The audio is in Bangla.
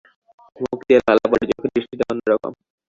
মুখ দিয়ে লালা পড়ে, চোখের দৃষ্টিটাও অন্য রকম।